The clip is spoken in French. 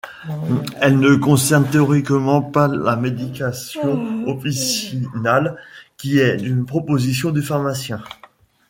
Elle ne concerne théoriquement pas la médication officinale qui est une proposition du pharmacien.